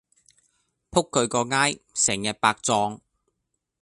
仆佢個街，成日白撞